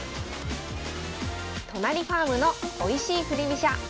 「都成ファームのおいしい振り飛車」。